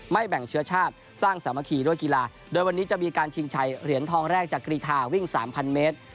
แบ่งเชื้อชาติสร้างสามัคคีด้วยกีฬาโดยวันนี้จะมีการชิงชัยเหรียญทองแรกจากกรีธาวิ่ง๓๐๐เมตร